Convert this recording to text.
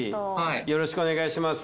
よろしくお願いします。